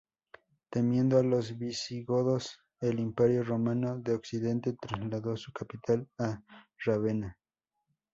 Temiendo a los visigodos, el Imperio romano de Occidente trasladó su capital a Rávena.